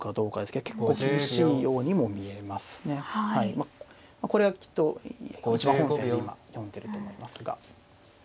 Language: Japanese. まあこれはきっと一番本線で今読んでると思いますが。